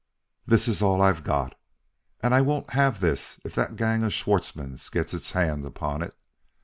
"This is all I've got. And I won't have this if that gang of Schwartzmann's gets its hands upon it.